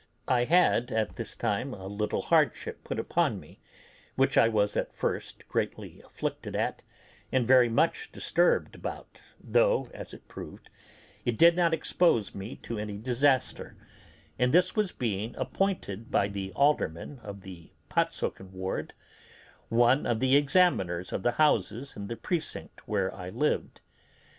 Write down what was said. I had about this time a little hardship put upon me, which I was at first greatly afflicted at, and very much disturbed about though, as it proved, it did not expose me to any disaster; and this was being appointed by the alderman of Portsoken Ward one of the examiners of the houses in the precinct where I lived.